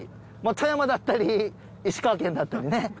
富山だったり石川県だったりね。